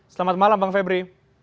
selamat malam bang febri